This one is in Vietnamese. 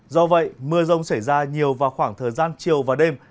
do vậy mưa rông xảy ra nhiều vào khoảng thời gian chiều và đêm